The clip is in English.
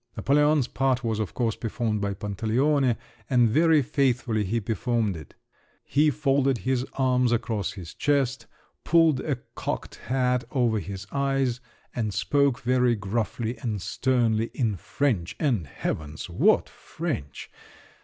Napoleon's part was, of course, performed by Pantaleone, and very faithfully he performed it: he folded his arms across his chest, pulled a cocked hat over his eyes, and spoke very gruffly and sternly, in French—and heavens! what French!